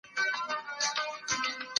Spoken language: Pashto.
ولې دا پروګرام په سمه توګه نه چلیږي؟